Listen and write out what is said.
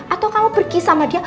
atau kalau pergi sama dia